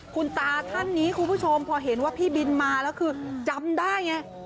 คุณตาท่านนี้คุณผู้ชมพอเห็นว่าพี่บินมาแล้วคือจำได้ไง